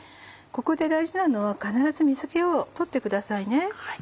ここで大事なのは必ず水気を取ってください。